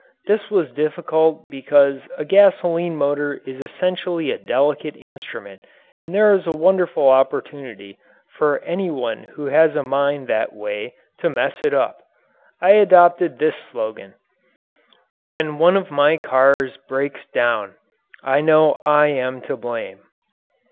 This was difficult because a gasoline motor is essentially a delicate instrument and there is a wonderful opportunity for any one who has a mind that way to mess it up. I adopted this slogan: "When one of my cars breaks down I know I am to blame."